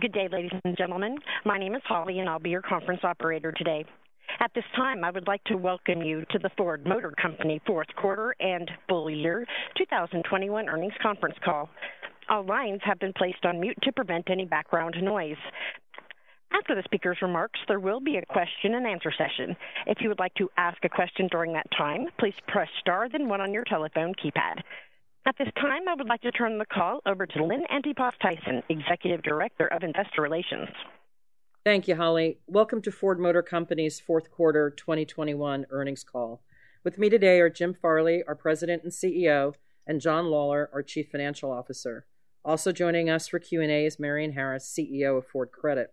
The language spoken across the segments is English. Good day, ladies and gentlemen. My name is Holly, and I'll be your conference operator today. At this time, I would like to welcome you to the Ford Motor Company Q4 and full year 2021 earnings conference call. All lines have been placed on mute to prevent any background noise. After the speaker's remarks, there will be a question-and-answer session. If you would like to ask a question during that time, please press star then one on your telephone keypad. At this time, I would like to turn the call over to Lynn Antipas Tyson, Executive Director of Investor Relations. Thank you, Holly. Welcome to Ford Motor Company's Q4 2021 earnings call. With me today are Jim Farley, our President and CEO, and John Lawler, our Chief Financial Officer. Also joining us for Q&A is Marion Harris, CEO of Ford Credit.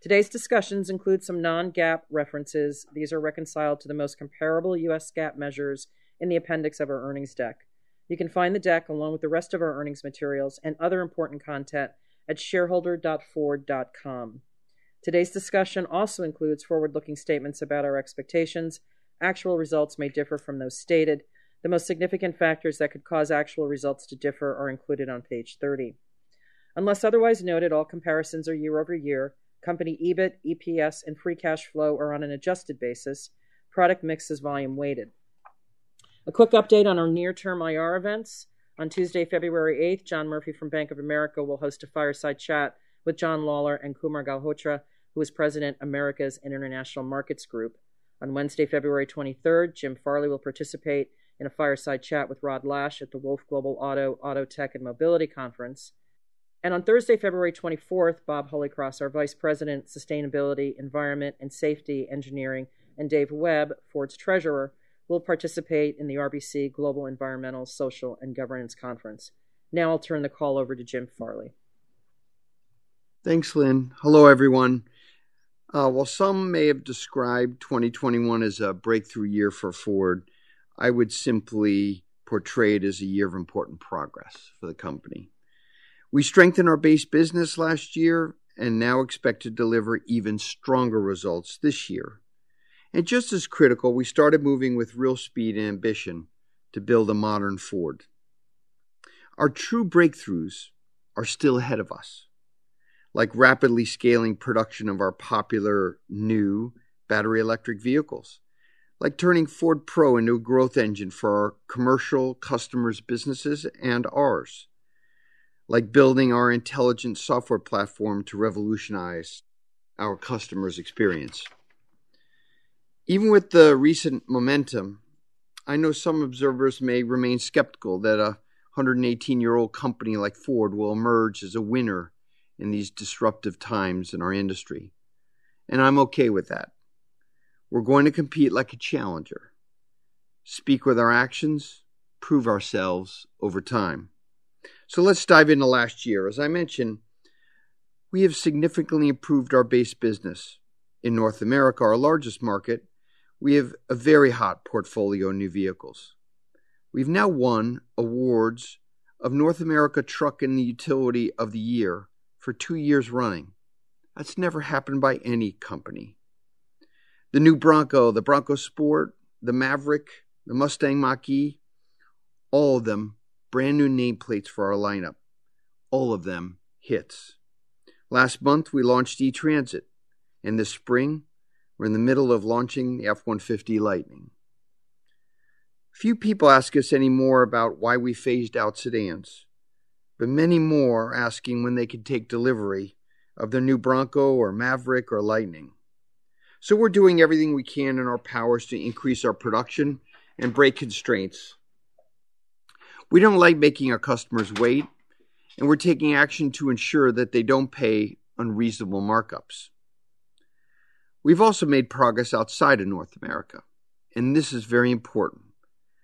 Today's discussions include some non-GAAP references. These are reconciled to the most comparable U.S. GAAP measures in the appendix of our earnings deck. You can find the deck along with the rest of our earnings materials and other important content at shareholder.ford.com. Today's discussion also includes forward-looking statements about our expectations. Actual results may differ from those stated. The most significant factors that could cause actual results to differ are included on page 30. Unless otherwise noted, all comparisons are year-over-year. Company EBIT, EPS, and free cash flow are on an adjusted basis. Product mix is volume-weighted. A quick update on our near-term IR events. On Tuesday, February 8th, John Murphy from Bank of America will host a fireside chat with John Lawler and Kumar Galhotra, who is President, Americas and International Markets Group. On Wednesday, February 23rd, Jim Farley will participate in a fireside chat with Rod Lache at the Wolfe Research Global Auto, Auto Tech, and Mobility Conference. On Thursday, February 24th, Bob Holycross, our Vice President, Sustainability, Environment, and Safety Engineering, and Dave Webb, Ford's Treasurer, will participate in the RBC Global Environmental, Social, and Governance Conference. Now I'll turn the call over to Jim Farley. Thanks, Lynn. Hello, everyone. While some may have described 2021 as a breakthrough year for Ford, I would simply portray it as a year of important progress for the company. We strengthened our base business last year and now expect to deliver even stronger results this year. Just as critical, we started moving with real speed and ambition to build a modern Ford. Our true breakthroughs are still ahead of us, like rapidly scaling production of our popular new battery electric vehicles, like turning Ford Pro into a growth engine for our commercial customers' businesses and ours, like building our intelligent software platform to revolutionize our customers' experience. Even with the recent momentum, I know some observers may remain skeptical that a 118-year-old company like Ford will emerge as a winner in these disruptive times in our industry. I'm okay with that. We're going to compete like a challenger, speak with our actions, prove ourselves over time. Let's dive into last year. As I mentioned, we have significantly improved our base business. In North America, our largest market, we have a very hot portfolio of new vehicles. We've now won awards of North American Truck and Utility of the Year for two years running. That's never happened by any company. The new Bronco, the Bronco Sport, the Maverick, the Mustang Mach-E, all of them brand new nameplates for our lineup, all of them hits. Last month, we launched E-Transit, and this spring, we're in the middle of launching the F-150 Lightning. Few people ask us anymore about why we phased out sedans, but many more are asking when they could take delivery of their new Bronco or Maverick or Lightning. We're doing everything we can in our powers to increase our production and break constraints. We don't like making our customers wait, and we're taking action to ensure that they don't pay unreasonable markups. We've also made progress outside of North America, and this is very important.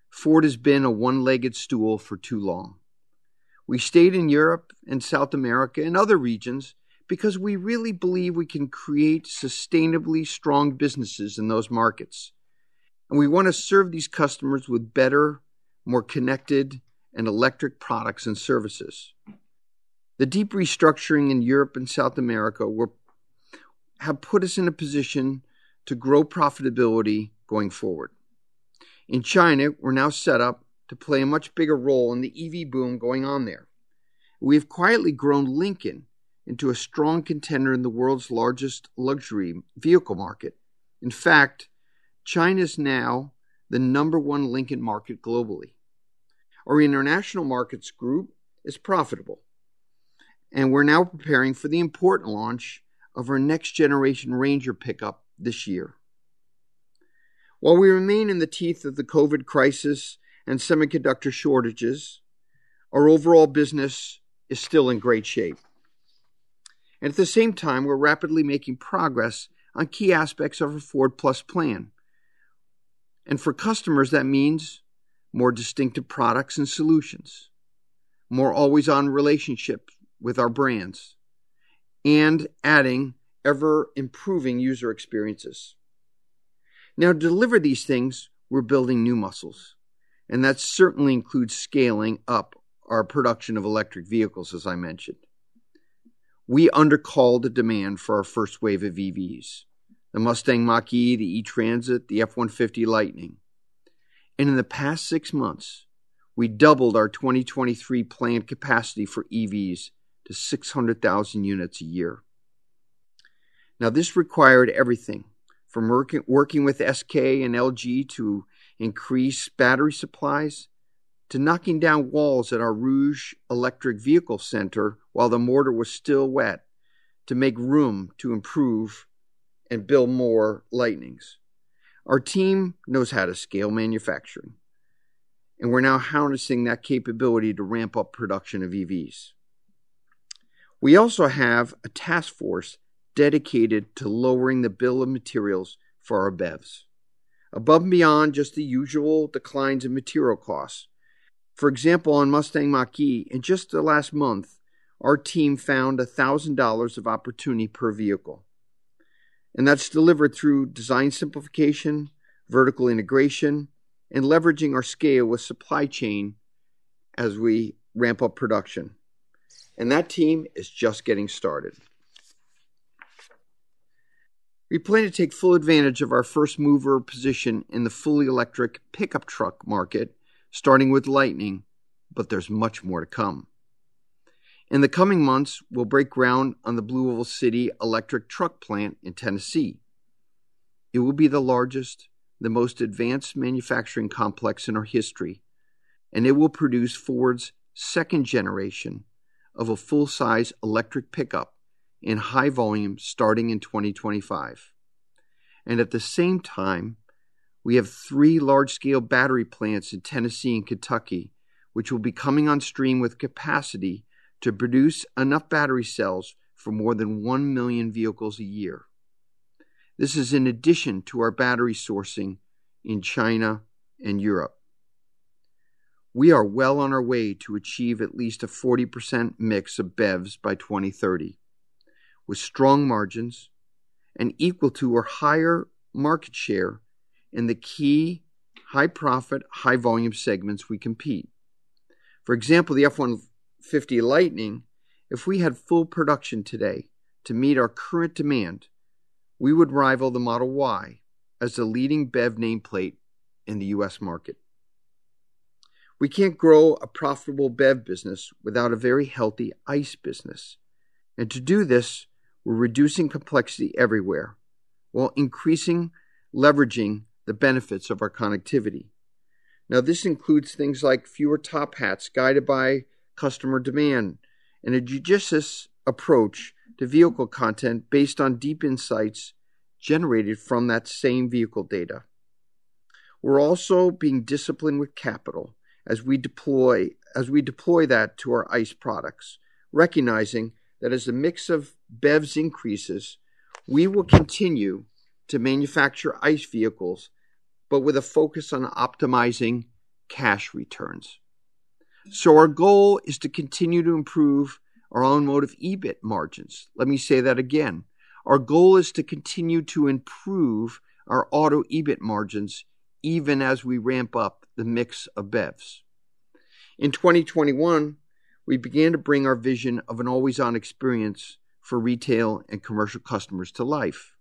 Ford has been a one-legged stool for too long. We stayed in Europe and South America and other regions because we really believe we can create sustainably strong businesses in those markets. We want to serve these customers with better, more connected, and electric products and services. The deep restructuring in Europe and South America have put us in a position to grow profitability going forward. In China, we're now set up to play a much bigger role in the EV boom going on there. We have quietly grown Lincoln into a strong contender in the world's largest luxury vehicle market. In fact, China is now the number one Lincoln market globally. Our International Markets Group is profitable, and we're now preparing for the important launch of our next-generation Ranger pickup this year. While we remain in the teeth of the COVID crisis and semiconductor shortages, our overall business is still in great shape. At the same time, we're rapidly making progress on key aspects of our Ford+ plan. For customers, that means more distinctive products and solutions, more always-on relationships with our brands, and adding ever-improving user experiences. Now, to deliver these things, we're building new muscles, and that certainly includes scaling up our production of electric vehicles, as I mentioned. We undercalled the demand for our first wave of EVs. The Mustang Mach-E, the E-Transit, the F-150 Lightning. In the past six months, we doubled our 2023 planned capacity for EVs to 600,000 units a year. Now, this required everything from working with SK and LG to increase battery supplies to knocking down walls at our Rouge Electric Vehicle Center while the mortar was still wet to make room to improve and build more Lightnings. Our team knows how to scale manufacturing, and we're now harnessing that capability to ramp up production of EVs. We also have a task force dedicated to lowering the bill of materials for our BEVs above and beyond just the usual declines in material costs. For example, on Mustang Mach-E, in just the last month, our team found $1,000 of opportunity per vehicle, and that's delivered through design simplification, vertical integration, and leveraging our scale with supply chain as we ramp up production. That team is just getting started. We plan to take full advantage of our first-mover position in the fully electric pickup truck market, starting with Lightning, but there's much more to come. In the coming months, we'll break ground on the Blue Oval City electric truck plant in Tennessee. It will be the largest, the most advanced manufacturing complex in our history, and it will produce Ford's second generation of a full-size electric pickup in high volume starting in 2025. At the same time, we have three large-scale battery plants in Tennessee and Kentucky, which will be coming on stream with capacity to produce enough battery cells for more than 1 million vehicles a year. This is in addition to our battery sourcing in China and Europe. We are well on our way to achieve at least a 40% mix of BEVs by 2030, with strong margins and equal to or higher market share in the key high-profit, high-volume segments we compete. For example, the F-150 Lightning, if we had full production today to meet our current demand we would rival the Model Y as the leading BEV nameplate in the U.S. market. We can't grow a profitable BEV business without a very healthy ICE business. To do this, we're reducing complexity everywhere while increasing leveraging the benefits of our connectivity. This includes things like fewer top hats guided by customer demand and a judicious approach to vehicle content based on deep insights generated from that same vehicle data. We're also being disciplined with capital as we deploy that to our ICE products, recognizing that as the mix of BEVs increases, we will continue to manufacture ICE vehicles but with a focus on optimizing cash returns. Our goal is to continue to improve our automotive EBIT margins. Let me say that again. Our goal is to continue to improve our auto EBIT margins even as we ramp up the mix of BEVs. In 2021, we began to bring our vision of an always-on experience for retail and commercial customers to life.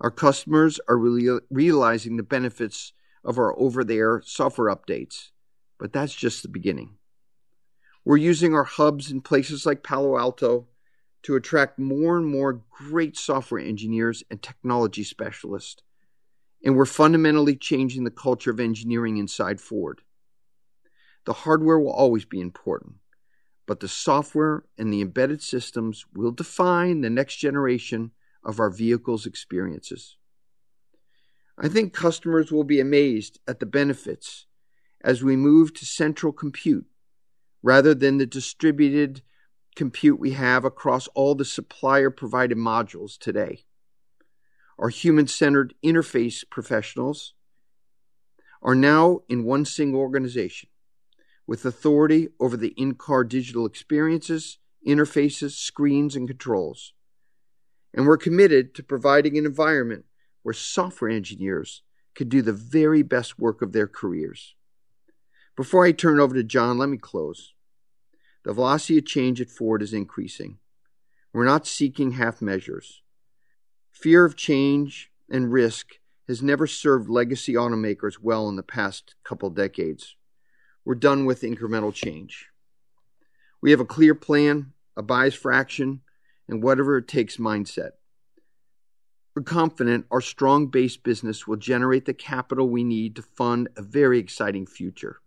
Our customers are really realizing the benefits of our over-the-air software updates, but that's just the beginning. We're using our hubs in places like Palo Alto to attract more and more great software engineers and technology specialists, and we're fundamentally changing the culture of engineering inside Ford. The hardware will always be important, but the software and the embedded systems will define the next generation of our vehicles' experiences. I think customers will be amazed at the benefits as we move to central compute rather than the distributed compute we have across all the supplier-provided modules today. Our human-centered interface professionals are now in one single organization with authority over the in-car digital experiences, interfaces, screens, and controls. We're committed to providing an environment where software engineers can do the very best work of their careers. Before I turn it over to John, let me close. The velocity of change at Ford is increasing. We're not seeking half measures. Fear of change and risk has never served legacy automakers well in the past couple decades. We're done with incremental change. We have a clear plan, a bias for action, and whatever-it-takes mindset. We're confident our strong base business will generate the capital we need to fund a very exciting future.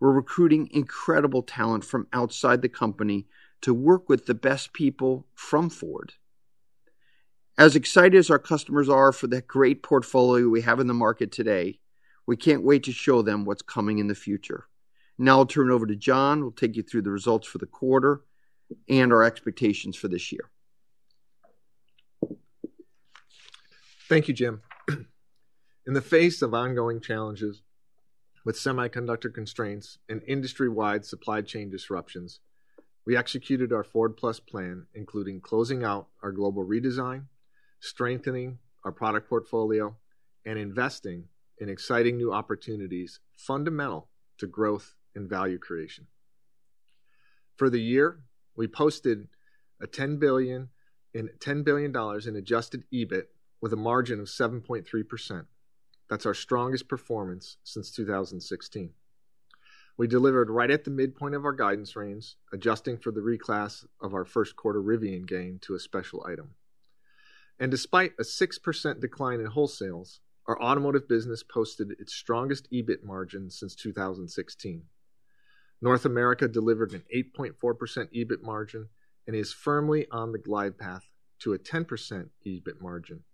We're recruiting incredible talent from outside the company to work with the best people from Ford. As excited as our customers are for the great portfolio we have in the market today, we can't wait to show them what's coming in the future. Now I'll turn it over to John, who will take you through the results for the quarter and our expectations for this year. Thank you, Jim. In the face of ongoing challenges with semiconductor constraints and industry-wide supply chain disruptions, we executed our Ford+ plan, including closing out our global redesign, strengthening our product portfolio, and investing in exciting new opportunities fundamental to growth and value creation. For the year, we posted $10 billion in adjusted EBIT with a margin of 7.3%. That's our strongest performance since 2016. We delivered right at the midpoint of our guidance range, adjusting for the reclass of our Q1 Rivian gain to a special item. Despite a 6% decline in wholesales, our automotive business posted its strongest EBIT margin since 2016. North America delivered an 8.4% EBIT margin and is firmly on the glide path to a 10% EBIT margin.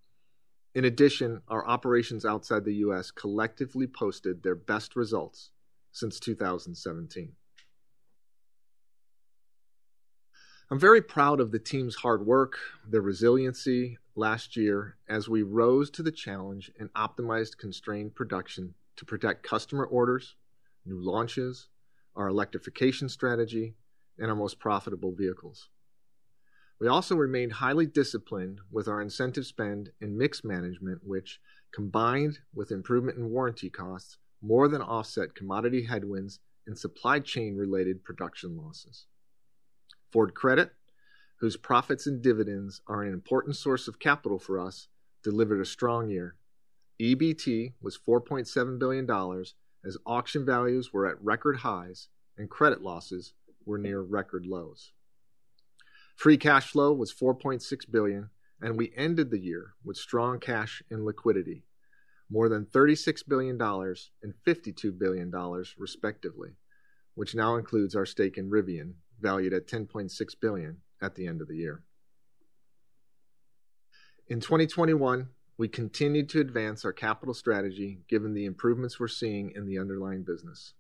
In addition, our operations outside the U.S. collectively posted their best results since 2017. I'm very proud of the team's hard work, their resiliency last year as we rose to the challenge and optimized constrained production to protect customer orders, new launches, our electrification strategy, and our most profitable vehicles. We also remained highly disciplined with our incentive spend and mix management, which combined with improvement in warranty costs, more than offset commodity headwinds and supply chain related production losses. Ford Credit, whose profits and dividends are an important source of capital for us, delivered a strong year. EBT was $4.7 billion as auction values were at record highs and credit losses were near record lows. Free cash flow was $4.6 billion, and we ended the year with strong cash and liquidity, more than $36 billion and $52 billion, respectively, which now includes our stake in Rivian, valued at $10.6 billion at the end of the year. In 2021, we continued to advance our capital strategy given the improvements we're seeing in the underlying business.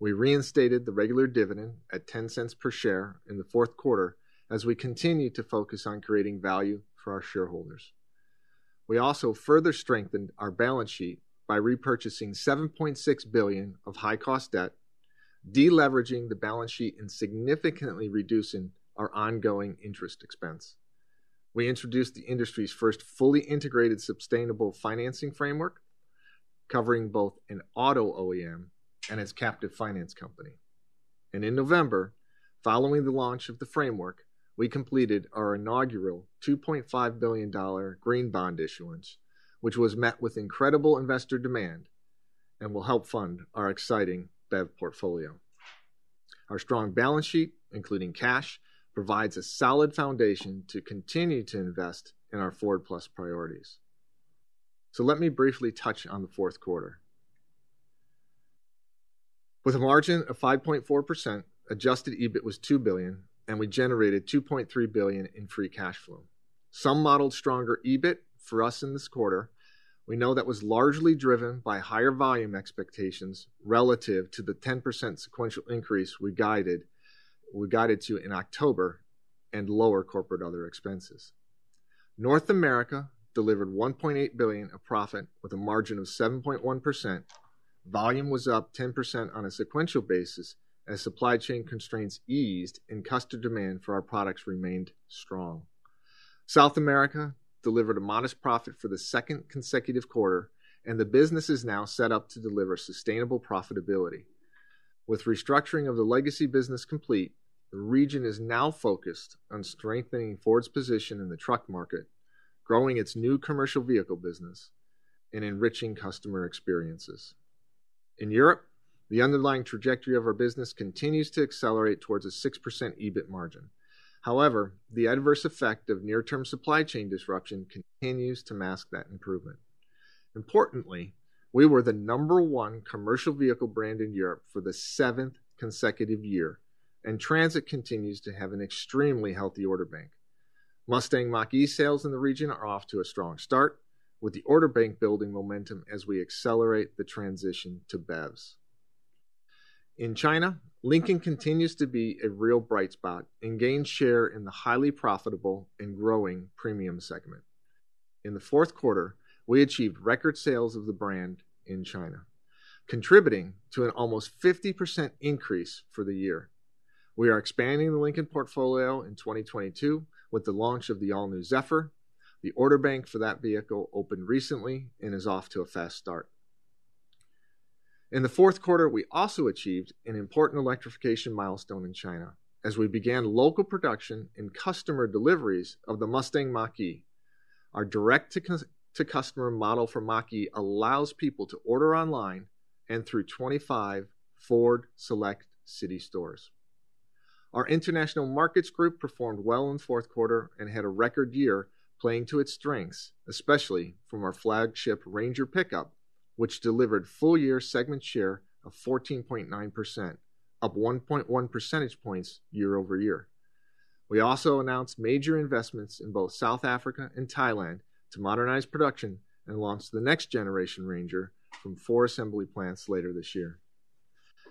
We reinstated the regular dividend at $0.10 per share in Q4 as we continued to focus on creating value for our shareholders. We also further strengthened our balance sheet by repurchasing $7.6 billion of high cost debt, de-leveraging the balance sheet, and significantly reducing our ongoing interest expense. We introduced the industry's first fully integrated sustainable financing framework, covering both an auto OEM and its captive finance company. In November, following the launch of the framework, we completed our inaugural $2.5 billion green bond issuance, which was met with incredible investor demand and will help fund our exciting BEV portfolio. Our strong balance sheet, including cash, provides a solid foundation to continue to invest in our Ford+ priorities. Let me briefly touch on Q4. With a margin of 5.4%, adjusted EBIT was $2 billion, and we generated $2.3 billion in free cash flow. Some modeled stronger EBIT for us in this quarter. We know that was largely driven by higher volume expectations relative to the 10% sequential increase we guided to in October and lower corporate other expenses. North America delivered $1.8 billion of profit with a margin of 7.1%. Volume was up 10% on a sequential basis as supply chain constraints eased and customer demand for our products remained strong. South America delivered a modest profit for the second consecutive quarter, and the business is now set up to deliver sustainable profitability. With restructuring of the legacy business complete, the region is now focused on strengthening Ford's position in the truck market, growing its new commercial vehicle business, and enriching customer experiences. In Europe, the underlying trajectory of our business continues to accelerate towards a 6% EBIT margin. However, the adverse effect of near-term supply chain disruption continues to mask that improvement. Importantly, we were the number one commercial vehicle brand in Europe for the seventh consecutive year, and Transit continues to have an extremely healthy order bank. Mustang Mach-E sales in the region are off to a strong start, with the order bank building momentum as we accelerate the transition to BEVs. In China, Lincoln continues to be a real bright spot and gained share in the highly profitable and growing premium segment. In Q4, we achieved record sales of the brand in China, contributing to an almost 50% increase for the year. We are expanding the Lincoln portfolio in 2022 with the launch of the all-new Zephyr. The order bank for that vehicle opened recently and is off to a fast start. In Q4, we also achieved an important electrification milestone in China as we began local production and customer deliveries of the Mustang Mach-E. Our direct to customer model for Mach-E allows people to order online and through 25 Ford Select city stores. Our International Markets Group performed well in Q4 and had a record year playing to its strengths, especially from our flagship Ranger pickup, which delivered full year segment share of 14.9%, up 1.1 percentage points year-over-year. We also announced major investments in both South Africa and Thailand to modernize production and launch the next generation Ranger from four assembly plants later this year.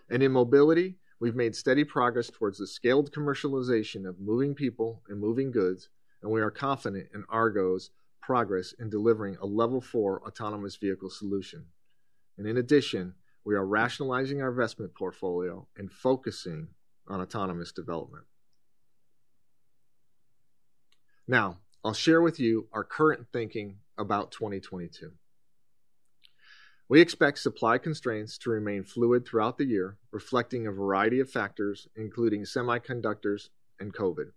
In mobility, we've made steady progress towards the scaled commercialization of moving people and moving goods, and we are confident in Argo's progress in delivering a level four autonomous vehicle solution. In addition, we are rationalizing our investment portfolio and focusing on autonomous development. Now, I'll share with you our current thinking about 2022. We expect supply constraints to remain fluid throughout the year, reflecting a variety of factors, including semiconductors and COVID.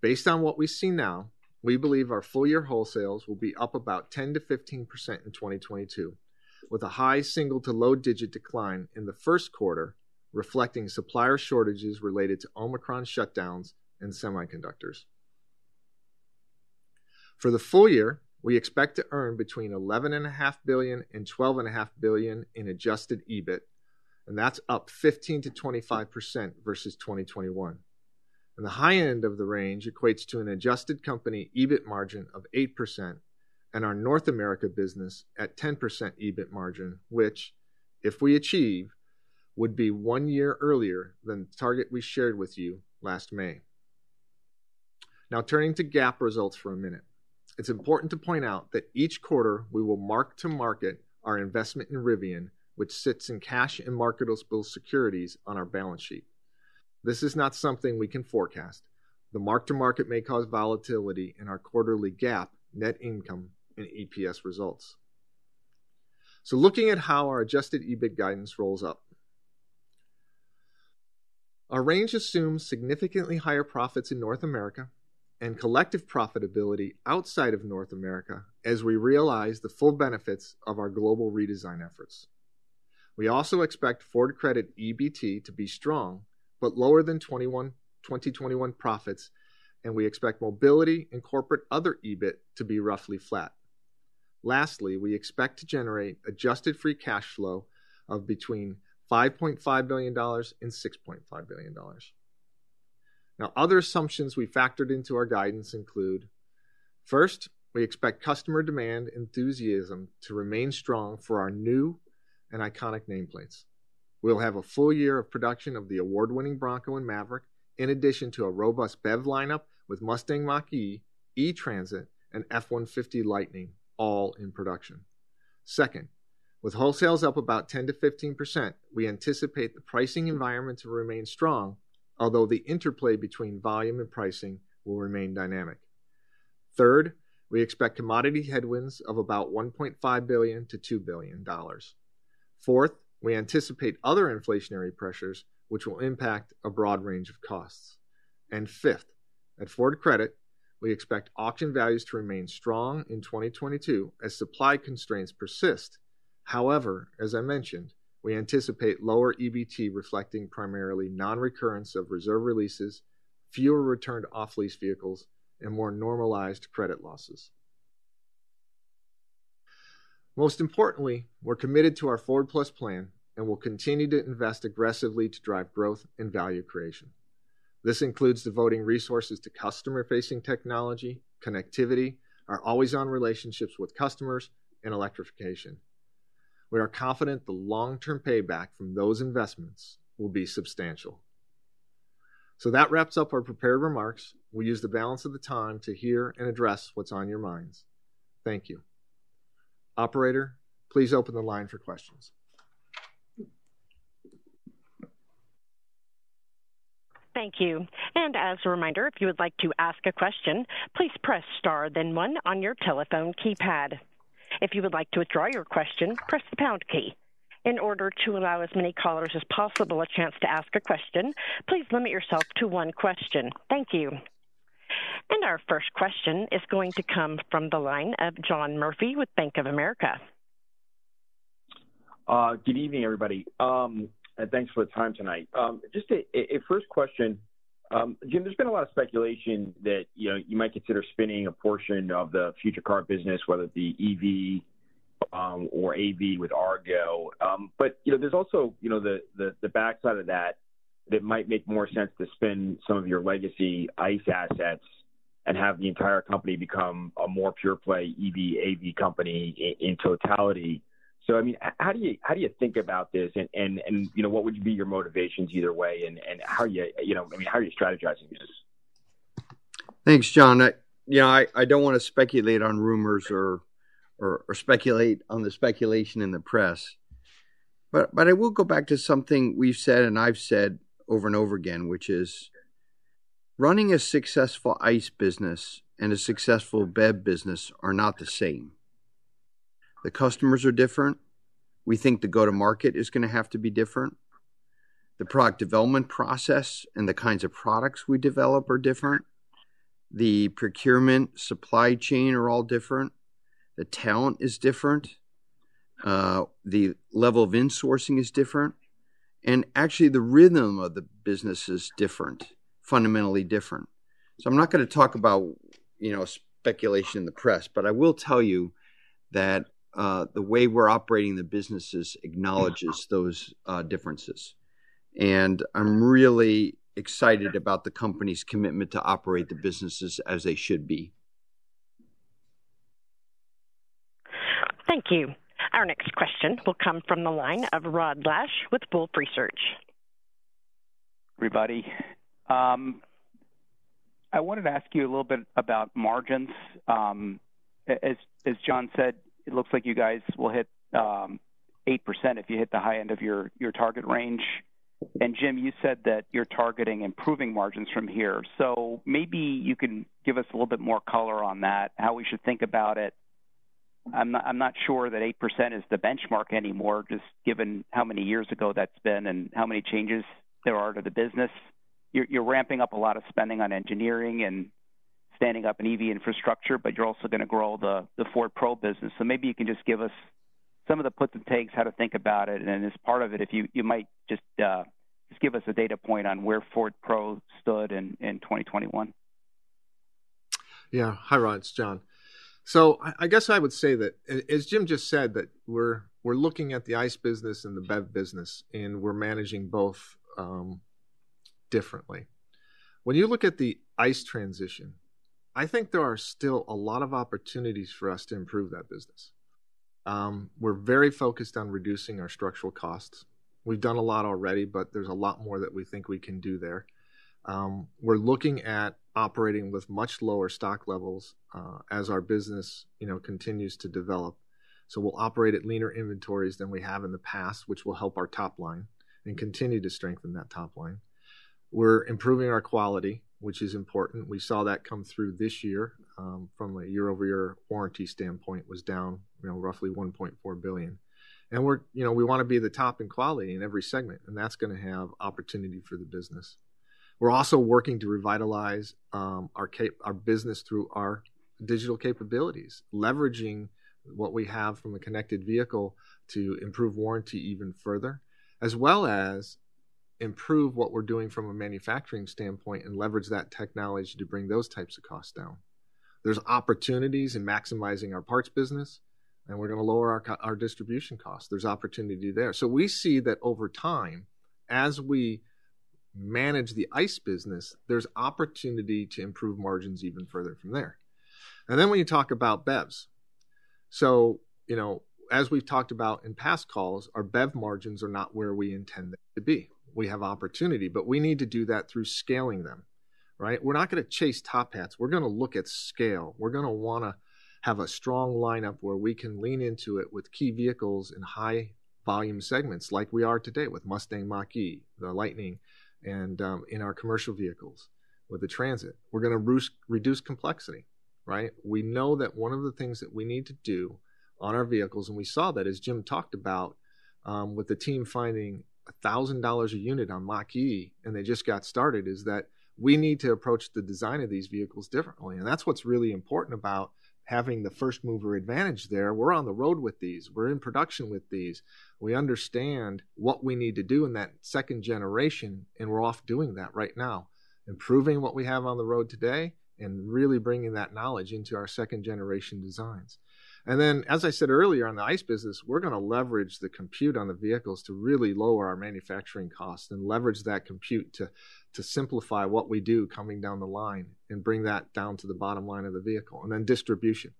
Based on what we see now, we believe our full-year wholesales will be up about 10%-15% in 2022, with a high single- to low double-digit decline in Q1, reflecting supplier shortages related to Omicron shutdowns and semiconductors. For the full year, we expect to earn between $11.5 billion and $12.5 billion in adjusted EBIT, and that's up 15%-25% versus 2021. The high end of the range equates to an adjusted company EBIT margin of 8% and our North America business at 10% EBIT margin, which, if we achieve, would be one year earlier than the target we shared with you last May. Now turning to GAAP results for a minute. It's important to point out that each quarter we will mark to market our investment in Rivian, which sits in cash and marketable securities on our balance sheet. This is not something we can forecast. The market to market may cause volatility in our quarterly GAAP net income and EPS results. Looking at how our adjusted EBIT guidance rolls up. Our range assumes significantly higher profits in North America and collective profitability outside of North America as we realize the full benefits of our global redesign efforts. We also expect Ford Credit EBT to be strong but lower than 2021 profits, and we expect mobility and corporate other EBIT to be roughly flat. Lastly, we expect to generate adjusted free cash flow of between $5.5 billion and $6.5 billion. Now, other assumptions we factored into our guidance include, first, we expect customer demand enthusiasm to remain strong for our new and iconic nameplates. We'll have a full year of production of the award-winning Bronco and Maverick, in addition to a robust BEV lineup with Mustang Mach-E, E-Transit, and F-150 Lightning, all in production. Second, with wholesales up about 10%-15%, we anticipate the pricing environment to remain strong, although the interplay between volume and pricing will remain dynamic. Third, we expect commodity headwinds of about $1.5 billion-$2 billion. Fourth, we anticipate other inflationary pressures which will impact a broad range of costs. Fifth, at Ford Credit, we expect auction values to remain strong in 2022 as supply constraints persist. However, as I mentioned, we anticipate lower EBT reflecting primarily non-recurrence of reserve releases, fewer returned off-lease vehicles, and more normalized credit losses. Most importantly, we're committed to our Ford+ plan and will continue to invest aggressively to drive growth and value creation. This includes devoting resources to customer-facing technology, connectivity, our always-on relationships with customers, and electrification. We are confident the long-term payback from those investments will be substantial. That wraps up our prepared remarks. We'll use the balance of the time to hear and address what's on your minds. Thank you. Operator, please open the line for questions. Thank you. As a reminder, if you would like to ask a question, please press star then one on your telephone keypad. If you would like to withdraw your question, press the pound key. In order to allow as many callers as possible a chance to ask a question, please limit yourself to one question. Thank you. Our first question is going to come from the line of John Murphy with Bank of America. Good evening, everybody. Thanks for the time tonight. Just a first question. Jim, there's been a lot of speculation that, you might consider spinning a portion of the future car business, whether it be EV or AV with Argo. There's also the backside of that that might make more sense to spin some of your legacy ICE assets and have the entire company become a more pure play EV, AV company in totality. How do you think about this? What would be your motivations either way? How are you strategizing this? Thanks, John. I don't want to speculate on rumors or speculate on the speculation in the press, but I will go back to something we've said and I've said over and over again, which is, running a successful ICE business and a successful BEV business are not the same. The customers are different. We think the go-to-market is going to have to be different. The product development process and the kinds of products we develop are different. The procurement, supply chain are all different. The talent is different. The level of insourcing is different. Actually, the rhythm of the business is different, fundamentally different. I'm not going to talk about, speculation in the press, but I will tell you that the way we're operating the businesses acknowledges those differences. I'm really excited about the company's commitment to operate the businesses as they should be. Thank you. Our next question will come from the line of Rod Lache with Wolfe Research. Everybody, I wanted to ask you a little bit about margins. As John said, it looks like you guys will hit 8% if you hit the high end of your target range. Jim, you said that you're targeting improving margins from here. Maybe you can give us a little bit more color on that, how we should think about it. I'm not sure that 8% is the benchmark anymore, just given how many years ago that's been and how many changes there are to the business. You're ramping up a lot of spending on engineering and standing up an EV infrastructure, but you're also going to grow the Ford Pro business. Maybe you can just give us some of the puts and takes, how to think about it. As part of it, if you might just give us a data point on where Ford Pro stood in 2021. Hi, Rod. It's John. I guess I would say that as Jim just said, that we're looking at the ICE business and the BEV business, and we're managing both differently. When you look at the ICE transition, I think there are still a lot of opportunities for us to improve that business. We're very focused on reducing our structural costs. We've done a lot already, but there's a lot more that we think we can do there. We're looking at operating with much lower stock levels as our business continues to develop. We'll operate at leaner inventories than we have in the past, which will help our top line and continue to strengthen that top line. We're improving our quality, which is important. We saw that come through this year from a year-over-year warranty standpoint, was down, roughly $1.4 billion. We want to be the top in quality in every segment, and that's going to have opportunity for the business. We're also working to revitalize our business through our digital capabilities, leveraging what we have from a connected vehicle to improve warranty even further, as well as improve what we're doing from a manufacturing standpoint and leverage that technology to bring those types of costs down. There's opportunities in maximizing our parts business, and we're going to lower our distribution costs. There's opportunity there. We see that over time, as we manage the ICE business, there's opportunity to improve margins even further from there. When you talk about BEVs, as we've talked about in past calls, our BEV margins are not where we intend them to be. We have opportunity, but we need to do that through scaling them. We're not going to chase top line. We're going to look at scale. We're going to want to have a strong lineup where we can lean into it with key vehicles in high volume segments like we are today with Mustang Mach-E, the Lightning, and in our commercial vehicles with the Transit. We're going to reduce complexity. We know that one of the things that we need to do on our vehicles, and we saw that as Jim talked about, with the team finding $1,000 a unit on Mach-E, and they just got started, is that we need to approach the design of these vehicles differently. That's what's really important about having the first-mover advantage there. We're on the road with these. We're in production with these. We understand what we need to do in that second generation, and we're off doing that right now, improving what we have on the road today and really bringing that knowledge into our second generation designs. As I said earlier on the ICE business, we're going to leverage the compute on the vehicles to really lower our manufacturing costs and leverage that compute to simplify what we do coming down the line and bring that down to the bottom line of the vehicle. Distribution.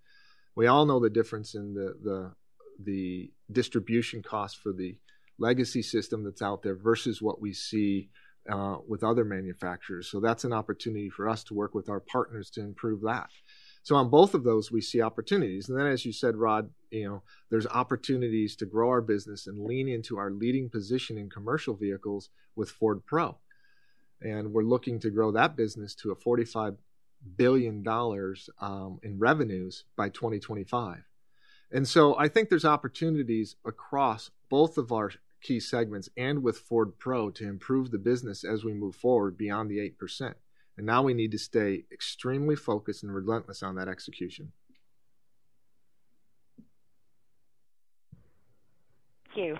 We all know the difference in the distribution cost for the legacy system that's out there versus what we see with other manufacturers. That's an opportunity for us to work with our partners to improve that. On both of those, we see opportunities. As you said, Rod, there's opportunities to grow our business and lean into our leading position in commercial vehicles with Ford Pro. We're looking to grow that business to $45 billion in revenues by 2025. I think there's opportunities across both of our key segments and with Ford Pro to improve the business as we move forward beyond the 8%. Now we need to stay extremely focused and relentless on that execution. Thank you.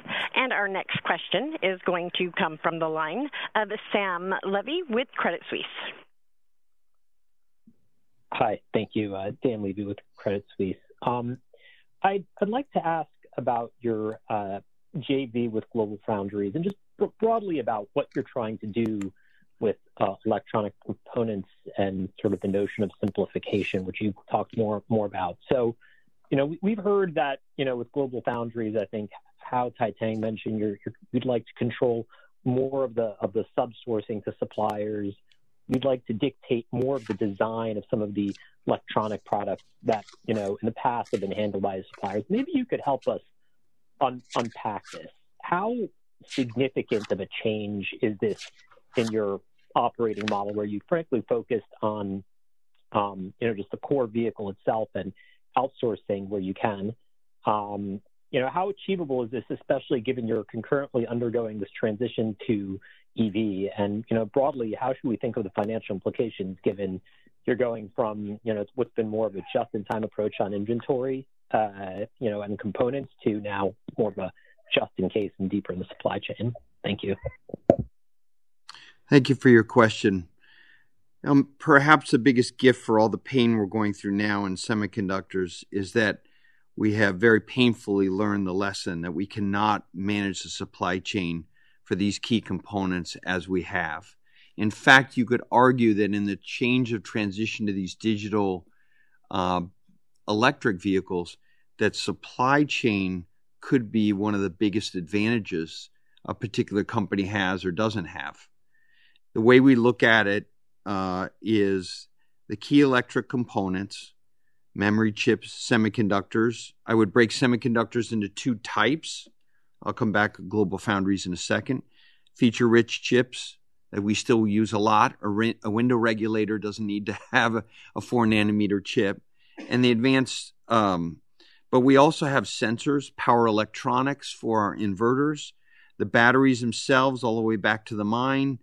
Our next question is going to come from the line of Dan Levy with Credit Suisse. Hi. Thank you. Dan Levy with Credit Suisse. I'd like to ask about your JV with GlobalFoundries and just broadly about what you're trying to do with electronic components and the notion of simplification, which you talked more about. We've heard that, with GlobalFoundries, I think, how Hau Thai-Tang mentioned you'd like to control more of the sub-sourcing to suppliers. You'd like to dictate more of the design of some of the electronic products that, in the past have been handled by suppliers. Maybe you could help us unpack this. How significant of a change is this in your operating model where you frankly focused on, just the core vehicle itself and outsourcing where you can? How achievable is this, especially given you're concurrently undergoing this transition to EV? Broadly, how should we think of the financial implications given you're going from what's been more of a just-in-time approach on inventory, and components to now more of a just in case and deeper in the supply chain? Thank you. Thank you for your question. Perhaps the biggest gift for all the pain we're going through now in semiconductors is that we have very painfully learned the lesson that we cannot manage the supply chain for these key components as we have. In fact, you could argue that in the change of transition to these digital, electric vehicles, that supply chain could be one of the biggest advantages a particular company has or doesn't have. The way we look at it is the key electric components, memory chips, semiconductors. I would break semiconductors into two types. I'll come back to GlobalFoundries in a second. Feature-rich chips that we still use a lot. A window regulator doesn't need to have a 4-nanometer chip and the advanced. We also have sensors, power electronics for our inverters, the batteries themselves, all the way back to the mine.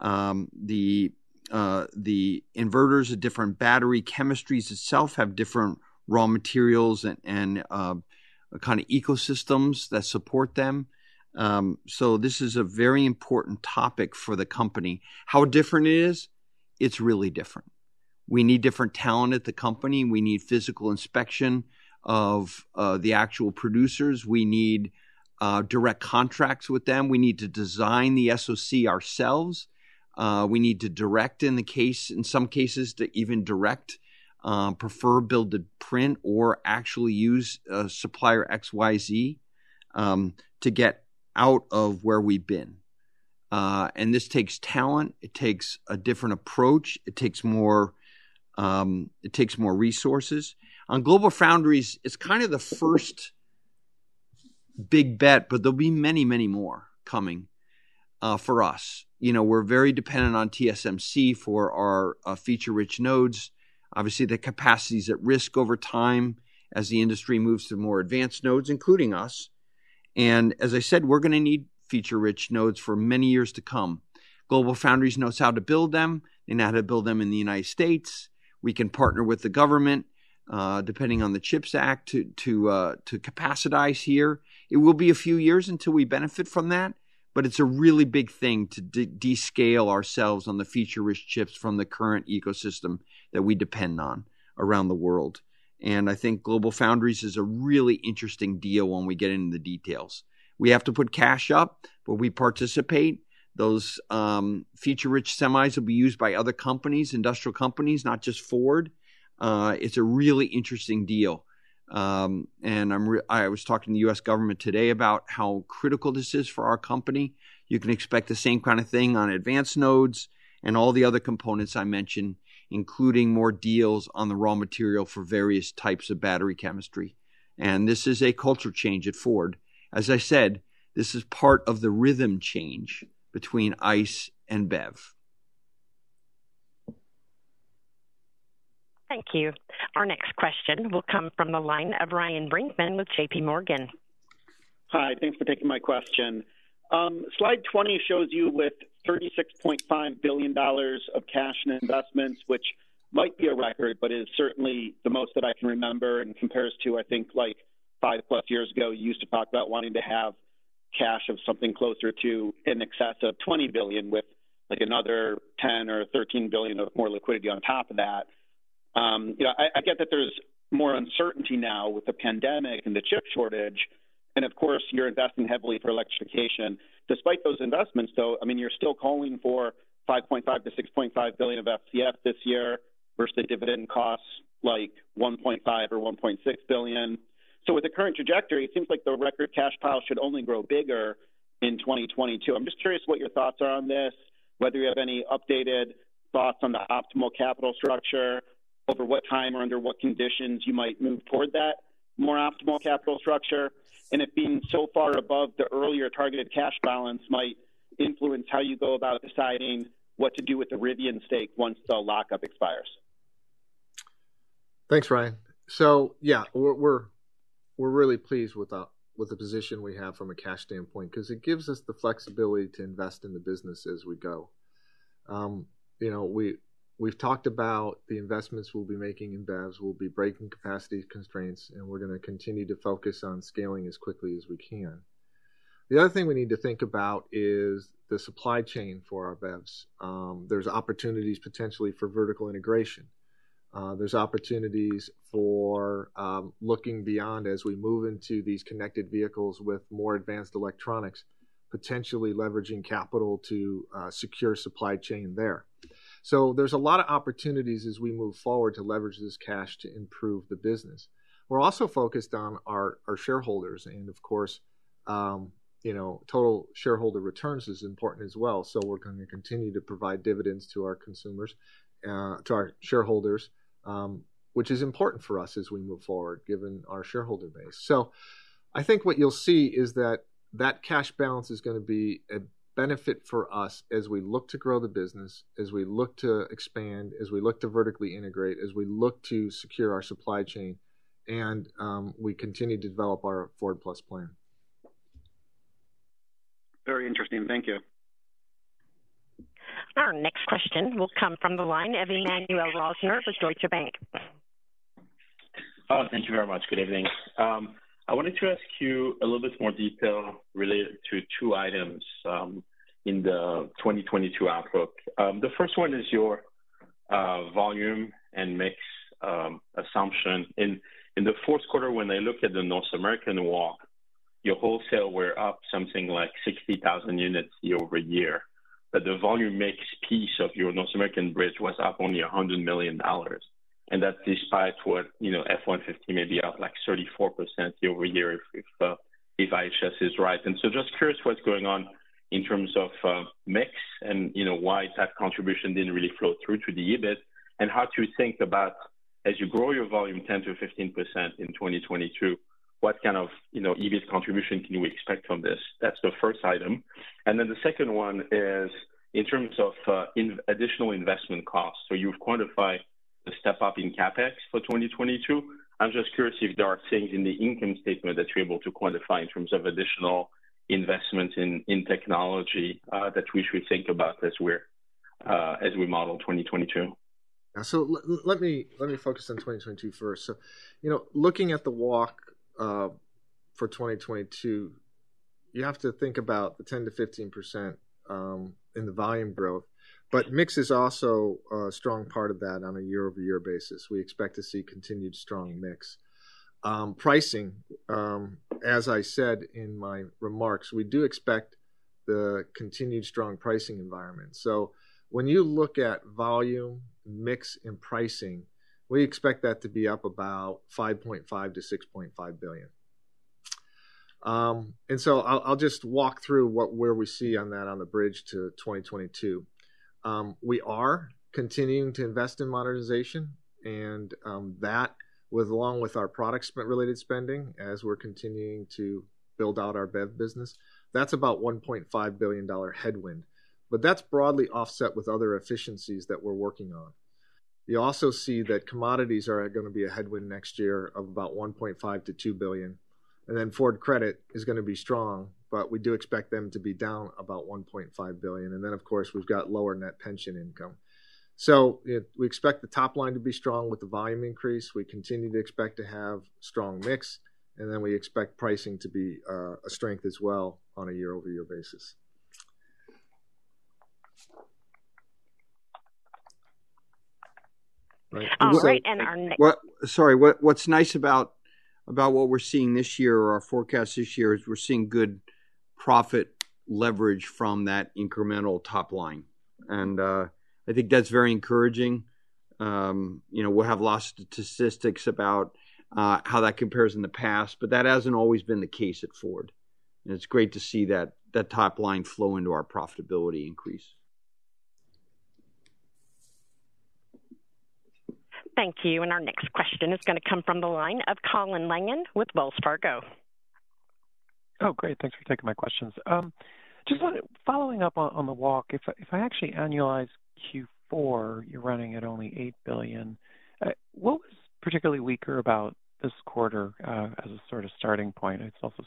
The inverters of different battery chemistries itself have different raw materials and ecosystems that support them. This is a very important topic for the company. How different it is? It's really different. We need different talent at the company, and we need physical inspection of the actual producers. We need direct contracts with them. We need to design the SoC ourselves. We need in some cases to even direct prefer build to print or actually use supplier XYZ to get out of where we've been. This takes talent. It takes a different approach. It takes more resources. On GlobalFoundries, it's the first big bet, but there'll be many, many more coming for us. We're very dependent on TSMC for our feature rich nodes. Obviously, the capacity is at risk over time as the industry moves to more advanced nodes, including us. We're going to need feature rich nodes for many years to come. GlobalFoundries knows how to build them and how to build them in the United States. We can partner with the government, depending on the CHIPS Act to capacitize here. It will be a few years until we benefit from that, but it's a really big thing to descale ourselves on the feature rich chips from the current ecosystem that we depend on around the world. I think GlobalFoundries is a really interesting deal when we get into the details. We have to put cash up, but we participate. Those feature rich semis will be used by other companies, industrial companies, not just Ford. It's a really interesting deal. I was talking to the U.S. government today about how critical this is for our company. You can expect the same thing on advanced nodes and all the other components I mentioned, including more deals on the raw material for various types of battery chemistry. This is a culture change at Ford. As I said, this is part of the rhythm change between ICE and BEV. Thank you. Our next question will come from the line of Ryan Brinkman with J.P. Morgan. Hi, thanks for taking my question. Slide 20 shows you with $36.5 billion of cash and investments, which might be a record, but is certainly the most that I can remember and compares to, I think, 5+ years ago, you used to talk about wanting to have cash of something closer to in excess of $20 billion, with another $10 billion or $13 billion of more liquidity on top of that. I get that there's more uncertainty now with the pandemic and the chip shortage, and of course, you're investing heavily for electrification. Despite those investments, though, you're still calling for $5.5 billion-$6.5 billion of FCF this year versus dividend costs like $1.5 billion or $1.6 billion. With the current trajectory, it seems like the record cash pile should only grow bigger in 2022. I'm just curious what your thoughts are on this, whether you have any updated thoughts on the optimal capital structure, over what time or under what conditions you might move toward that more optimal capital structure, and if being so far above the earlier targeted cash balance might influence how you go about deciding what to do with the Rivian stake once the lockup expires? Thanks, Ryan. Yes, we're really pleased with the position we have from a cash standpoint because it gives us the flexibility to invest in the business as we go. We've talked about the investments we'll be making in BEVs. We'll be breaking capacity constraints, and we're going to continue to focus on scaling as quickly as we can. The other thing we need to think about is the supply chain for our BEVs. There's opportunities potentially for vertical integration. There's opportunities for looking beyond as we move into these connected vehicles with more advanced electronics, potentially leveraging capital to secure supply chain there. There's a lot of opportunities as we move forward to leverage this cash to improve the business. We're also focused on our shareholders and of course, total shareholder returns is important as well. We're going to continue to provide dividends to our shareholders, which is important for us as we move forward, given our shareholder base. I think what you'll see is that cash balance is going to be a benefit for us as we look to grow the business, as we look to expand as we look to vertically integrate, as we look to secure our supply chain, and we continue to develop our Ford+ plan. Very interesting. Thank you. Our next question will come from the line of Emmanuel Rosner with Deutsche Bank. Thank you very much. Good evening. I wanted to ask you a little bit more detail related to two items in the 2022 outlook. The first one is your volume and mix assumption. In Q4, when I look at the North American walk, your wholesale were up something like 60,000 units year-over-year, but the volume mix piece of your North American bridge was up only $100 million, and that despite what, F-150 may be up 34% year-over-year if IHS is right. Just curious what's going on in terms of mix and why that contribution didn't really flow through to the EBIT and how to think about as you grow your volume 10%-15% in 2022, what EBIT contribution can we expect from this? That's the first item. The second one is in terms of additional investment costs. You've quantified the step-up in CapEx for 2022. I'm just curious if there are things in the income statement that you're able to quantify in terms of additional investment in technology that we should think about as we model 2022. Let me focus on 2022 first. Looking at the walk for 2022, you have to think about the 10%-15% in the volume growth. Mix is also a strong part of that on a year-over-year basis. We expect to see continued strong mix. Pricing, as I said in my remarks, we do expect the continued strong pricing environment. When you look at volume, mix, and pricing, we expect that to be up about $5.5 billion-$6.5 billion. I'll just walk through where we see on that on the bridge to 2022. We are continuing to invest in modernization and that, along with our product spend-related spending as we're continuing to build out our BEV business, that's about $1.5 billion headwind. That's broadly offset with other efficiencies that we're working on. You also see that commodities are going to be a headwind next year of about $1.5 billion-$2 billion. Ford Credit is going to be strong, but we do expect them to be down about $1.5 billion. Of course, we've got lower net pension income. We expect the top line to be strong with the volume increase. We continue to expect to have strong mix, and then we expect pricing to be a strength as well on a year-over-year basis. What's nice about what we're seeing this year or our forecast this year is we're seeing good profit leverage from that incremental top line. I think that's very encouraging. We'll have a lot of statistics about how that compares in the past, but that hasn't always been the case at Ford. It's great to see that top line flow into our profitability increase. Thank you. Our next question is going to come from the line of Colin Langan with Wells Fargo. Great. Thanks for taking my questions. Following up on the walk, if I actually annualize Q4, you're running at only $8 billion. What was particularly weaker about this quarter as a starting point? It's also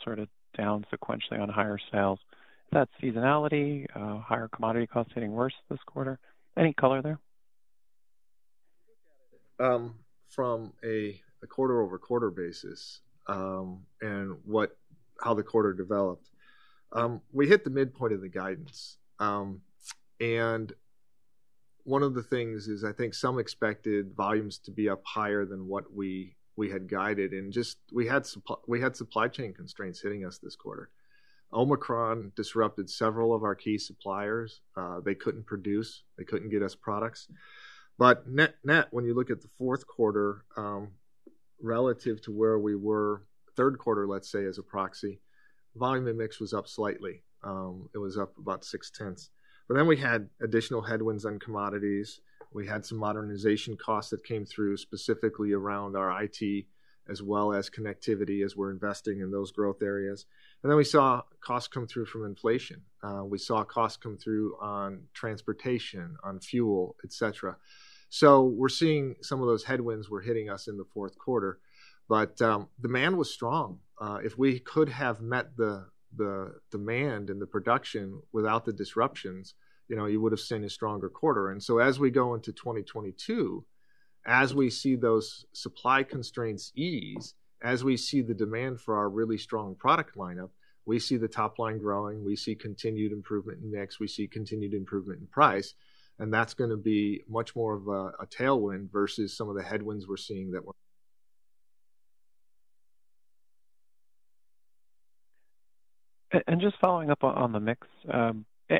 down sequentially on higher sales. Is that seasonality, higher commodity costs hitting worse this quarter? Any color there? From a quarter-over-quarter basis, how the quarter developed, we hit the midpoint of the guidance. One of the things is I think some expected volumes to be up higher than what we had guided and just we had supply chain constraints hitting us this quarter. Omicron disrupted several of our key suppliers. They couldn't produce, they couldn't get us products. Net, when you look at Q4, relative to where we were Q3, let's say as a proxy, volume and mix was up slightly. It was up about 0.6%. Then we had additional headwinds on commodities. We had some modernization costs that came through, specifically around our IT as well as connectivity as we're investing in those growth areas. Then we saw costs come through from inflation. We saw costs come through on transportation, on fuel, etc. We're seeing some of those headwinds were hitting us in Q4. Demand was strong. If we could have met the demand and the production without the disruptions, you would've seen a stronger quarter. As we go into 2022, as we see those supply constraints ease, as we see the demand for our really strong product lineup, we see the top line growing. We see continued improvement in mix. We see continued improvement in price, and that's going to be much more of a tailwind versus some of the headwinds we're seeing that we're- Just following up on the mix,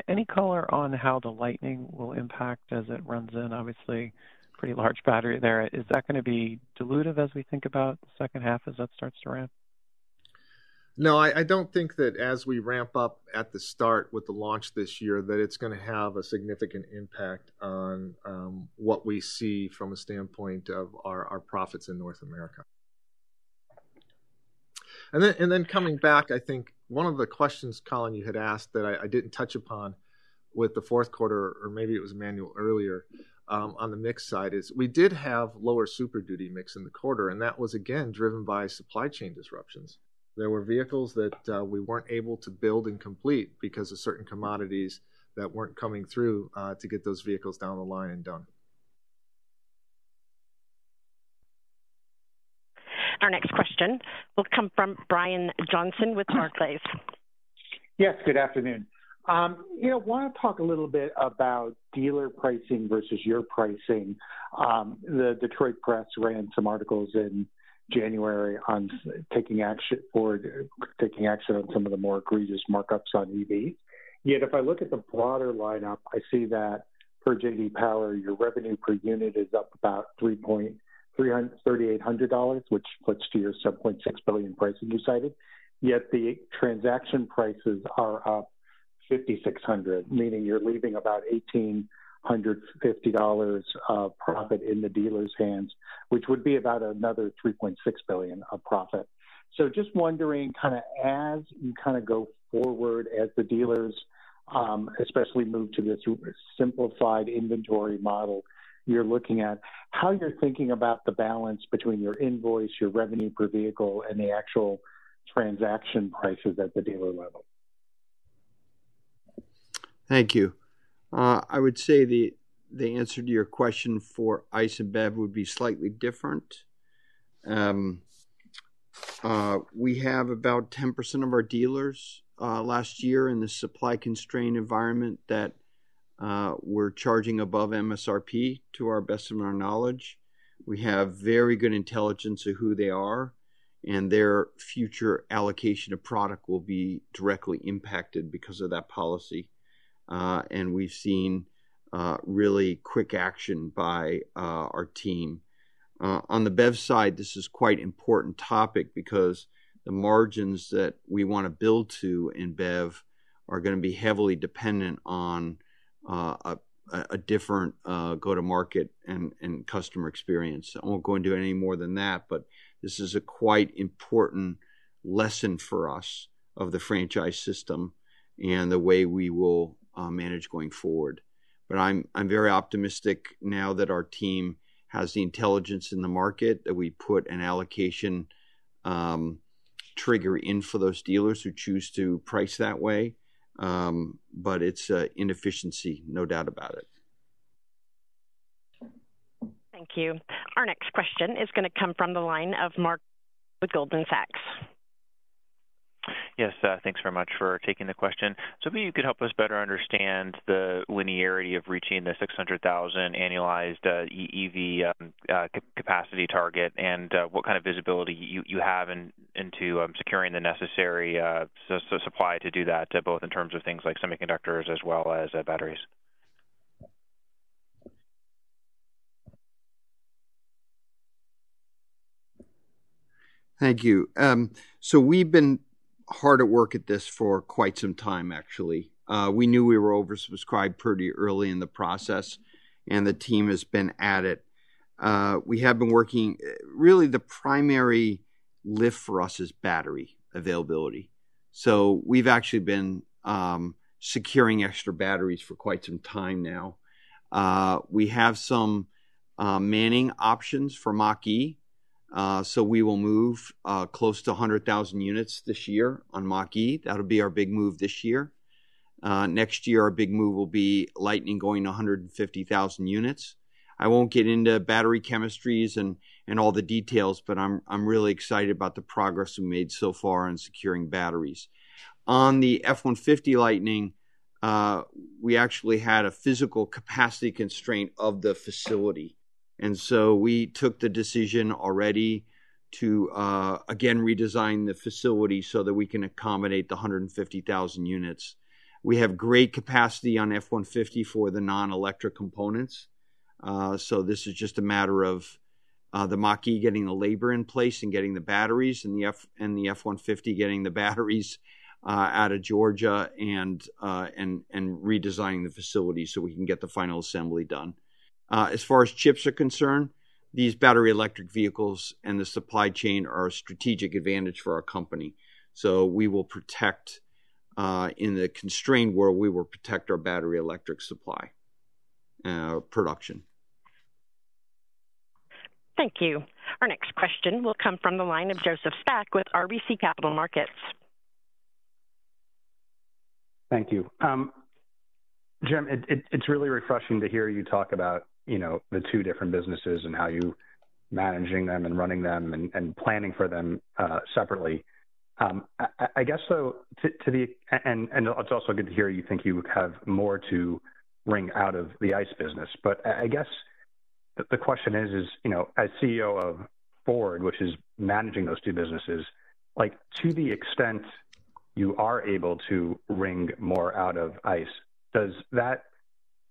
any color on how the Lightning will impact as it runs in, obviously, pretty large battery there. Is that going to be dilutive as we think about the second half as that starts to ramp? No, I don't think that as we ramp up at the start with the launch this year, that it's going to have a significant impact on what we see from a standpoint of our profits in North America. Then coming back, I think one of the questions, Colin, you had asked that I didn't touch upon with Q4, or maybe it was Emmanuel earlier, on the mix side, is we did have lower Super Duty mix in the quarter, and that was again, driven by supply chain disruptions. There were vehicles that we weren't able to build and complete because of certain commodities that weren't coming through to get those vehicles down the line and done. Our next question will come from Brian Johnson with Barclays. Good afternoon. want to talk a little bit about dealer pricing versus your pricing. The Detroit Free Press ran some articles in January on Ford taking action on some of the more egregious markups on EVs. Yet, if I look at the broader lineup, I see that per J.D. Power, your revenue per unit is up about $338, which puts to your $7.6 billion pricing you cited. Yet the transaction prices are up $5,600, meaning you're leaving about $1,850 of profit in the dealer's hands, which would be about another $3.6 billion of profit. Just wondering as you go forward as the dealers especially move to this our simplified inventory model you're looking at, how you're thinking about the balance between your invoice, your revenue per vehicle, and the actual transaction prices at the dealer level. Thank you. I would say the answer to your question for ICE and BEV would be slightly different. We have about 10% of our dealers last year in this supply constrained environment that were charging above MSRP to the best of our knowledge. We have very good intelligence of who they are, and their future allocation of product will be directly impacted because of that policy. We've seen really quick action by our team. On the BEV side, this is quite important topic because the margins that we want to build to in BEV are going to be heavily dependent on a different go-to-market and customer experience. I won't go into it any more than that, but this is a quite important lesson for us of the franchise system and the way we will manage going forward. I'm very optimistic now that our team has the intelligence in the market, that we put an allocation trigger in for those dealers who choose to price that way. It's a inefficiency, no doubt about it. Thank you. Our next question is going to come from the line of Mark with Goldman Sachs. Thanks very much for taking the question. If you could help us better understand the linearity of reaching the 600,000 annualized EV capacity target, and what visibility you have into securing the necessary supply to do that, both in terms of things like semiconductors as well as batteries. Thank you. We've been hard at work at this for quite some time, actually. We knew we were oversubscribed pretty early in the process, and the team has been at it. The primary lift for us is battery availability. We've actually been securing extra batteries for quite some time now. We have some mapping options for Mach-E, so we will move close to 100,000 units this year on Mach-E. That'll be our big move this year. Next year our big move will be Lightning going to 150,000 units. I won't get into battery chemistries and all the details, but I'm really excited about the progress we've made so far in securing batteries. On the F-150 Lightning, we actually had a physical capacity constraint of the facility, and so we took the decision already to again redesign the facility so that we can accommodate the 150,000 units. We have great capacity on F-150 for the non-electric components, so this is just a matter of the Mach-E getting the labor in place and getting the batteries, and the F-150 getting the batteries out of Georgia and redesigning the facility so we can get the final assembly done. As far as chips are concerned, these battery electric vehicles and the supply chain are a strategic advantage for our company, so we will protect, in the constrained world, our battery electric supply production. Thank you. Our next question will come from the line of Joseph Spak with RBC Capital Markets. Thank you. Jim, it's really refreshing to hear you talk about the two different businesses and how you managing them and running them and planning for them separately. I guess though, and it's also good to hear you think you have more to wring out of the ICE business. I guess the question is, as CEO of Ford, which is managing those two businesses to the extent you are able to wring more out of ICE, does that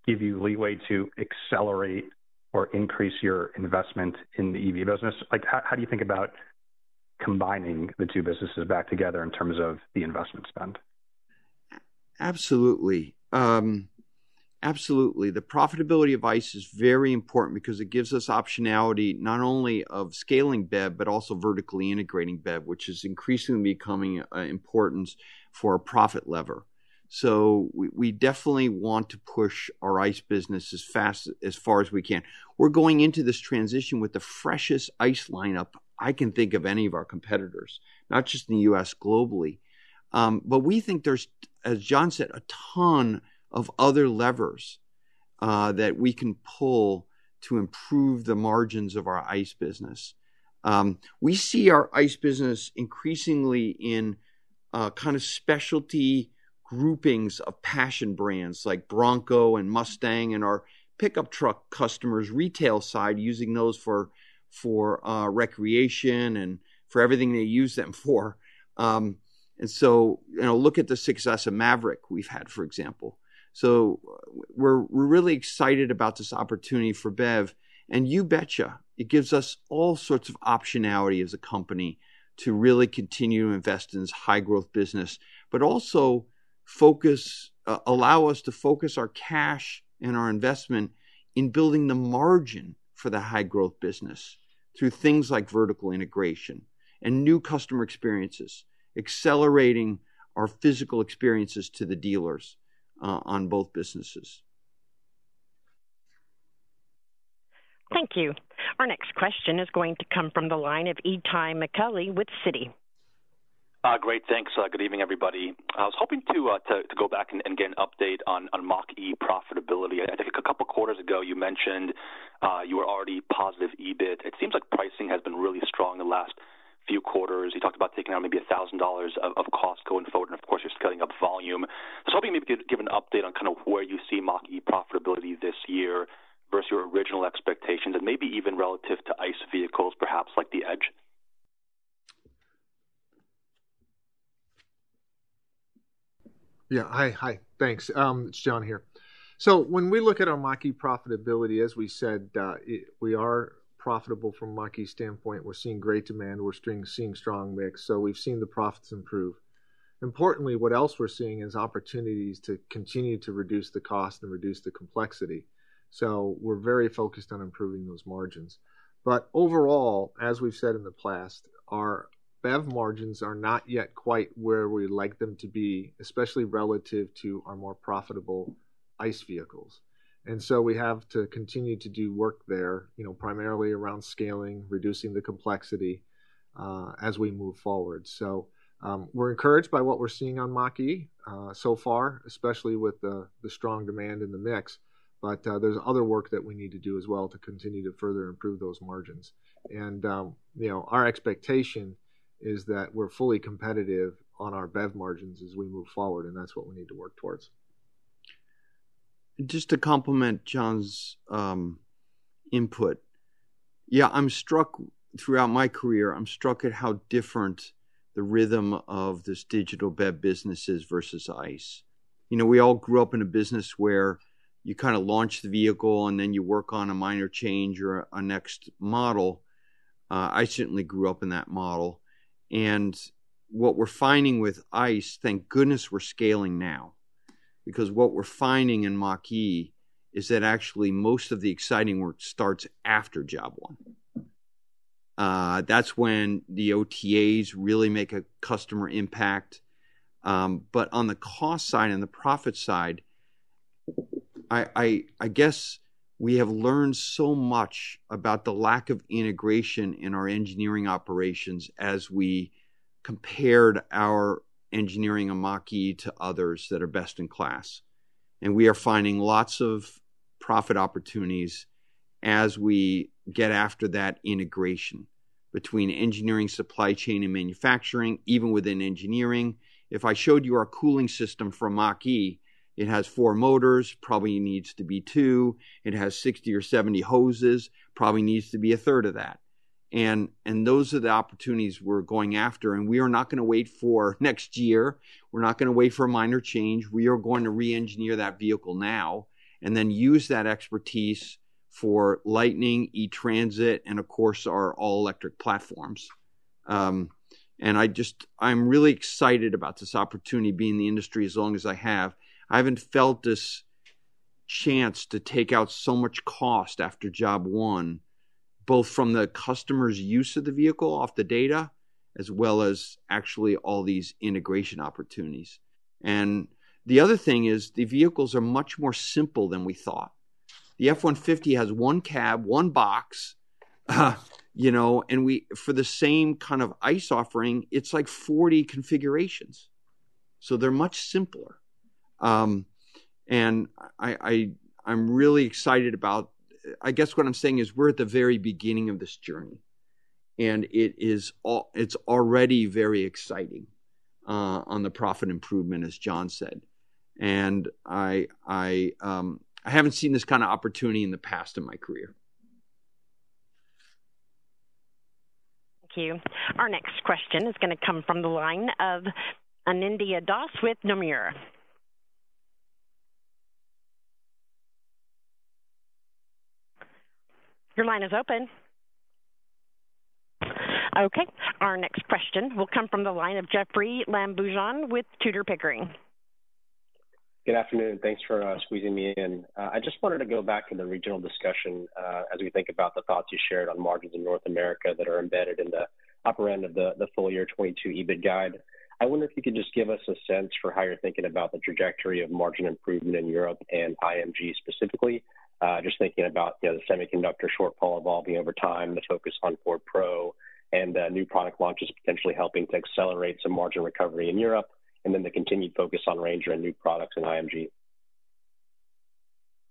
give you leeway to accelerate or increase your investment in the EV business. How do you think about combining the two businesses back together in terms of the investment spend? Absolutely. The profitability of ICE is very important because it gives us optionality not only of scaling BEV but also vertically integrating BEV, which is increasingly becoming important for our profit lever. We definitely want to push our ICE business as far as we can. We're going into this transition with the freshest ICE lineup I can think of any of our competitors, not just in the U.S., globally. But we think there's, as John said, a ton of other levers that we can pull to improve the margins of our ICE business. We see our ICE business increasingly in specialty groupings of passion brands like Bronco and Mustang and our pickup truck customers retail side using those for recreation and for everything they use them for. Look at the success of Maverick we've had, for example. We're really excited about this opportunity for BEV, and you betcha, it gives us all sorts of optionality as a company to really continue to invest in this high-growth business, but also allow us to focus our cash and our investment in building the margin for the high-growth business through things like vertical integration and new customer experiences, accelerating our physical experiences to the dealers on both businesses. Thank you. Our next question is going to come from the line of Itay Michaeli with Citi. Great. Thanks. Good evening, everybody. I was hoping to go back and get an update on Mach-E profitability. I think a couple quarters ago you mentioned you were already positive EBIT. It seems like pricing has been really strong the last few quarters. You talked about taking out maybe $1,000 of cost going forward, and of course you're scaling up volume. I was hoping maybe you could give an update on where you see Mach-E profitability this year versus your original expectations and maybe even relative to ICE vehicles, perhaps like the Edge. Hi. Thanks. It's John here. When we look at our Mach-E profitability, as we said, we are profitable from Mach-E standpoint. We're seeing great demand we're seeing strong mix, we've seen the profits improve. Importantly, what else we're seeing is opportunities to continue to reduce the cost and reduce the complexity. We're very focused on improving those margins. Overall, as we've said in the past, our BEV margins are not yet quite where we'd like them to be, especially relative to our more profitable ICE vehicles. We have to continue to do work there, primarily around scaling, reducing the complexity, as we move forward. We're encouraged by what we're seeing on Mach-E so far, especially with the strong demand in the mix. There's other work that we need to do as well to continue to further improve those margins. Our expectation is that we're fully competitive on our BEV margins as we move forward, and that's what we need to work towards. Just to complement John's input. I'm struck throughout my career at how different the rhythm of this digital BEV business is versus ICE. We all grew up in a business where you launch the vehicle and then you work on a minor change or a next model. I certainly grew up in that model. What we're finding with ICE, thank goodness we're scaling now, because what we're finding in Mach-E is that actually most of the exciting work starts after job one. That's when the OTAs really make a customer impact. On the cost side and the profit side, I guess we have learned so much about the lack of integration in our engineering operations as we compared our engineering at Mach-E to others that are best in class. We are finding lots of profit opportunities as we get after that integration between engineering, supply chain, and manufacturing, even within engineering. If I showed you our cooling system from Mach-E, it has four motors, probably needs to be two. It has 60 or 70 hoses, probably needs to be a third of that. Those are the opportunities we're going after, and we are not going to wait for next year. We're not going to wait for a minor change. We are going to re-engineer that vehicle now and then use that expertise for Lightning, E-Transit, and of course our all-electric platforms. I'm really excited about this opportunity, being in the industry as long as I have. I haven't felt this chance to take out so much cost after job one, both from the customer's use of the vehicle from the data, as well as actually all these integration opportunities. The other thing is the vehicles are much more simple than we thought. The F-150 has one cab, one box, for the same ICE offering, it's like 40 configurations. They're much simpler. I'm really excited about. I guess what I'm saying is we're at the very beginning of this journey, and it's already very exciting on the profit improvement, as John said. I haven't seen this opportunity in the past in my career. Thank you. Our next question is going to come from the line of Anindya Das with Nomura. Your line is open. Our next question will come from the line of Jeoffrey Lambujon with Tudor, Pickering. Good afternoon, and thanks for squeezing me in. I just wanted to go back to the regional discussion, as we think about the thoughts you shared on margins in North America that are embedded in the upper end of the full year 2022 EBIT guide. I wonder if you could just give us a sense for how you're thinking about the trajectory of margin improvement in Europe and IMG specifically. Just thinking about the semiconductor shortfall evolving over time, the focus on Ford Pro, and new product launches potentially helping to accelerate some margin recovery in Europe, and then the continued focus on Ranger and new products in IMG.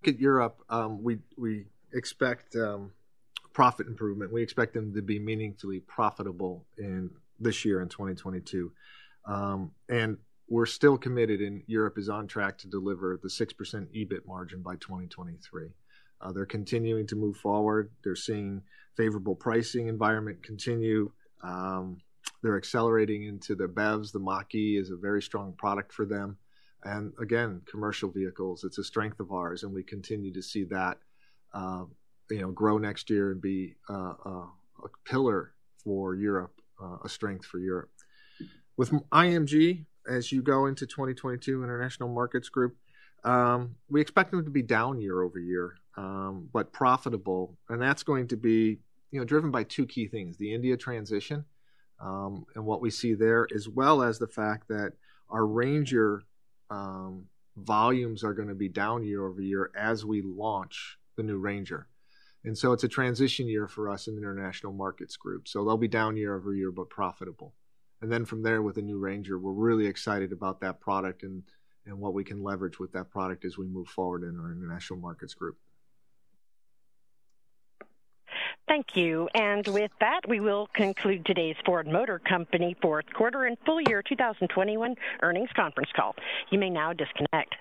Look at Europe, we expect profit improvement. We expect them to be meaningfully profitable in this year, in 2022. We're still committed, Europe is on track to deliver the 6% EBIT margin by 2023. They're continuing to move forward. They're seeing favorable pricing environment continue. They're accelerating into their BEVs. The Mach-E is a very strong product for them. Again, commercial vehicles, it's a strength of ours, and we continue to see that, grow next year and be a pillar for Europe, a strength for Europe. With IMG, as you go into 2022, International Markets Group, we expect them to be down year-over-year, but profitable. That's going to be driven by two key things, the India transition, and what we see there, as well as the fact that our Ranger volumes are going to be down year-over-year as we launch the new Ranger. It's a transition year for us in International Markets Group. They'll be down year-over-year, but profitable. Then from there, with the new Ranger, we're really excited about that product and what we can leverage with that product as we move forward in our International Markets Group. Thank you. With that, we will conclude today's Ford Motor Company Q4 and full year 2021 earnings conference call. You may now disconnect.